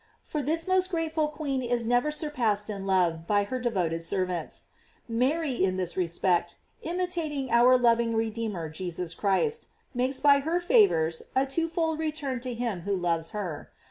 * For this most grateful queen is never surpassed in love by her devoted ser vants.f Mary, in this respect, imitating our lov ing Redeemer Jesus Christ, makes by her favors a twofold return to him who loves her.